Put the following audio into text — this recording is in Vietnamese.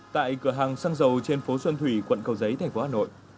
tại cửa hàng xăng dầu trên phố xuân thủy quận cầu giấy thành phố hà nội